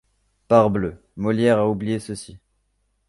Parbleu, Molière a oublié ceci.